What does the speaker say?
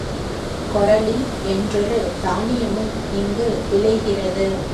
கொரலி என்றொரு தானியமும் இங்கு விளைகிறது.